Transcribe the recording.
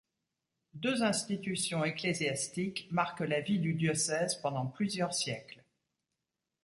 Deux institutions ecclésiastiques marquent la vie du diocèse pendant plusieurs siècles.